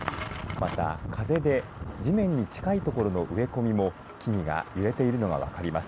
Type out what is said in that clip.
また風で地面に近いところの植え込みも木々が揺れているのが分かります。